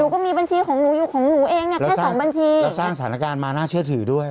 ก็มีบัญชีของหนูอยู่ของหนูเองเนี่ยแค่สองบัญชีแล้วสร้างสถานการณ์มาน่าเชื่อถือด้วย